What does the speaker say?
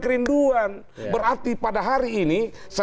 kerinduan berarti pada hari ini